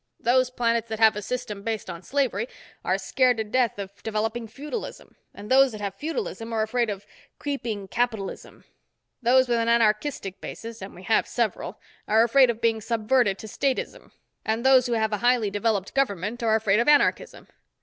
Those planets that have a system based on slavery are scared to death of developing feudalism, and those that have feudalism are afraid of creeping capitalism. Those with an anarchistic basis—and we have several—are afraid of being subverted to statism, and those who have a highly developed government are afraid of anarchism.